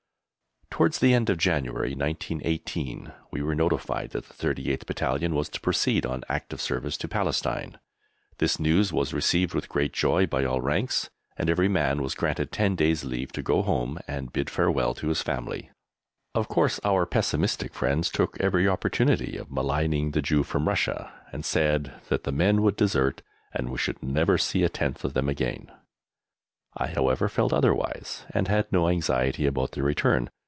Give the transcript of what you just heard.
Towards the end of January, 1918, we were notified that the 38th Battalion was to proceed on Active Service to Palestine. This news was received with great joy by all ranks, and every man was granted ten days' leave to go home and bid farewell to his family. Of course, our pessimistic friends took every opportunity of maligning the Jew from Russia, and said that the men would desert and we should never see a tenth of them again. I, however, felt otherwise, and had no anxiety about their return.